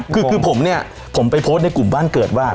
ใช่คือผมไปโพสส์ในกลุ่มบ้านเกิดว่า